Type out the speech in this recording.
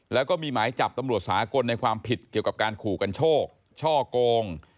แล้วก็มีหมายจับตำรวจสากลในความผิดเกี่ยวกับการขู่กันโชคช่อโกง